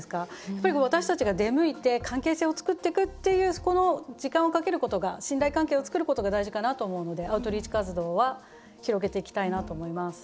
やっぱり私たちが出向いて関係性を作ってくっていうこの時間をかけることが信頼関係を作ることが大事かなと思うのでアウトリーチ活動は広げていきたいなと思います。